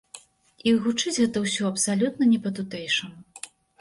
І гучыць гэта ўсё абсалютна не па-тутэйшаму.